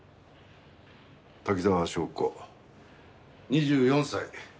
滝沢祥子２４歳。